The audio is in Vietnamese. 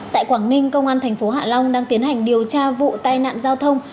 tại quảng ninh công an thành phố hạ long đang tiến hành điều tra vụ tai nạn giao thông